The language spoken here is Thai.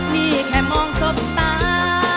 นี่แค่มองสบตา